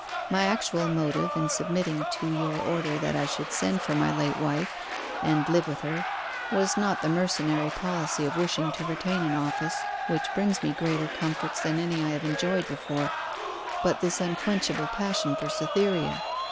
My actual motive in submitting to your order that I should send for my late wife, and live with her, was not the mercenary policy of wishing to retain an office which brings me greater comforts than any I have enjoyed before, but this unquenchable passion for Cytherea.